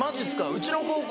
うちの高校